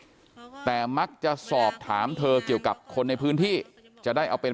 แต่มักจะสอบถามเธอเกี่ยวกับคนในพื้นที่จะได้เอาเป็น